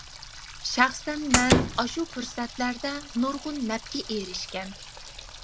شەخسەن مەن ئاشۇ پۇرسەتلەردە نۇرغۇن نەپكە ئېرىشكەن.